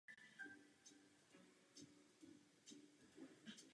Film získal pozitivní kritiku a stal se hitem.